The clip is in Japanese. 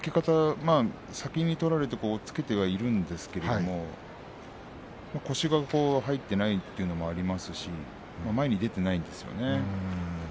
先に取られて押っつけてはいるんですが腰が入っていないというのもありますし前に出ていないですね。